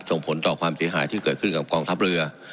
ส่งผลต่อความเสียหายที่เกิดขึ้นกับกองทัพเรือ